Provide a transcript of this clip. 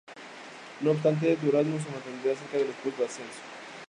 No obstante, Durazno se mantendría cerca de los puestos de ascenso.